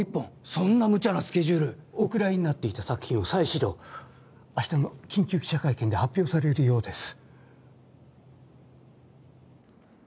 そんなムチャなスケジュールお蔵入りになっていた作品を再始動明日の緊急記者会見で発表されるようです